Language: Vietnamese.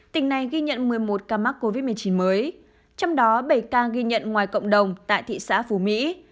tỉnh này ghi nhận một mươi một ca mắc covid một mươi chín mới trong đó bảy ca ghi nhận ngoài cộng đồng tại thị xã phú mỹ